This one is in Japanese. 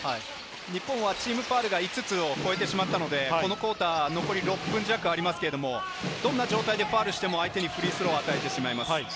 日本はチームファウルが５つを超えたので、このクオーター残り６分弱ありますが、どんな状態でファウルしても相手にフリースローを与えてしまいます。